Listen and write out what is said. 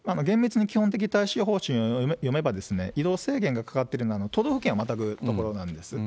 厳密に基本的対処方針を読めば、移動制限がかかってるのは、都道府県をまたぐ所なんです。